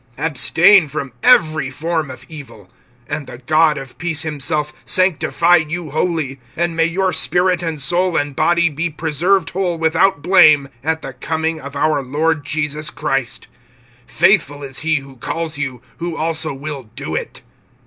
(22)Abstain from every form of evil. (23)And the God of peace himself sanctify you wholly; and may your spirit and soul and body be preserved whole without blame at the coming of our Lord Jesus Christ. (24)Faithful is he who calls you, who also will do it.